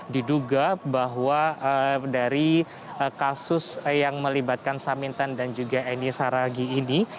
diduga bahwa dari kasus yang melibatkan samintan dan juga eni saragi ini